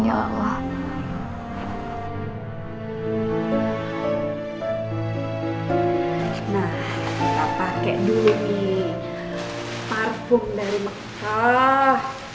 nah kita pakai dulu nih parfum dari makkah